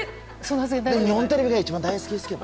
でも、日本テレビが一番好きですけど。